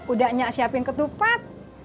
udanya siapin ketupat